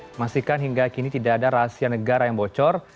memastikan hingga kini tidak ada rahasia negara yang bocor